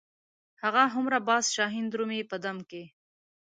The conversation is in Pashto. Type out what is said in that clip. هغه هومره باز شاهین درومي په دم کې.